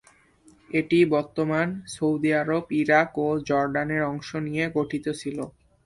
এটি বর্তমান Saudi Arab, Iraq ও জর্ডানের অংশ নিয়ে গঠিত ছিল।